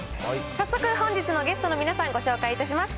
早速、本日のゲストの皆さん、ご紹介いたします。